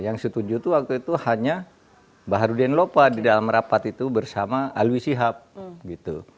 yang setuju itu waktu itu hanya baharudin lopa di dalam rapat itu bersama alwi sihab gitu